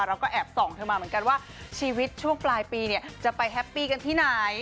เราก็แอบส่องเธอมาเหมือนกันว่าชีวิตช่วงปลายปีเนี่ยจะไปแฮปปี้กันที่ไหน